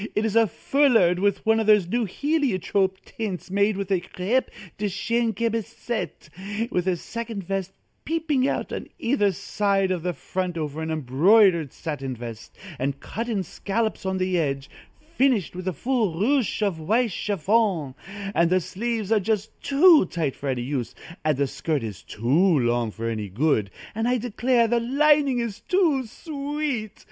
It is a foulard in one of those new heliotrope tints, made with a crêpe de chine chemisette, with a second vest peeping out on either side of the front over an embroidered satin vest and cut in scallops on the edge, finished with a full ruche of white chiffon, and the sleeves are just too tight for any use, and the skirt is too long for any good, and I declare the lining is too sweet!